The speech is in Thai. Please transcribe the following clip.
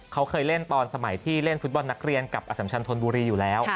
เขาเคยเล่นตอนสมัยที่เล่นฟุตบอลนักเรียนกับอสัมชันธนบุรีอยู่แล้ว